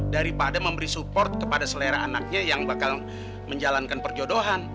daripada memberi support kepada selera anaknya yang bakal menjalankan perjodohan